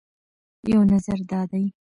یو نظر دا دی